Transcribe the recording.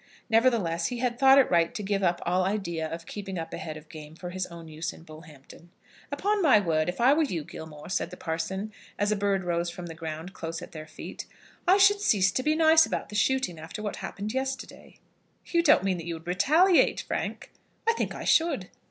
Nevertheless, he had thought it right to give up all idea of keeping up a head of game for his own use in Bullhampton. "Upon my word, if I were you, Gilmore," said the parson, as a bird rose from the ground close at their feet, "I should cease to be nice about the shooting after what happened yesterday." "You don't mean that you would retaliate, Frank?" "I think I should."